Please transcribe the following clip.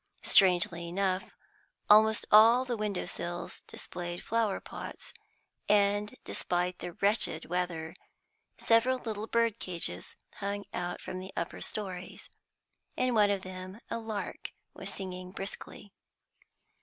Strangely enough, almost all the window sills displayed flower pots, and, despite the wretched weather, several little bird cages hung out from the upper storeys. In one of them a lark was singing briskly.